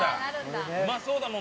うまそうだもんな！